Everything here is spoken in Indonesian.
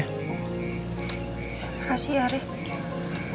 makasih ya rek